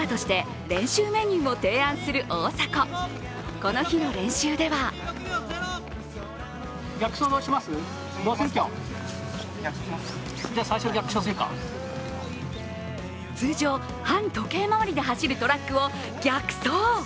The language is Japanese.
この日の練習では通常、反時計回りで走るトラックを逆走。